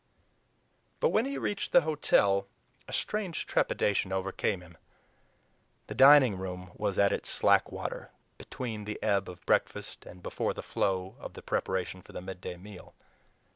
But when he reached the hotel, a strange trepidation overcame him. The dining room was at its slack water, between the ebb of breakfast and before the flow of the preparation for the midday meal.